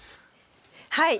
はい。